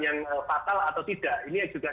yang fatal atau tidak ini yang juga